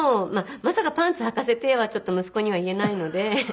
まさか「パンツはかせて」はちょっと息子には言えないので。